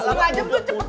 setengah jam itu cepet